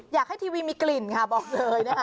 อยากให้ทวีมีกลิ่นค่ะบอกเลยนะครับ